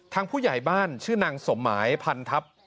ผู้ใหญ่บ้านชื่อนางสมหมายพันทัพ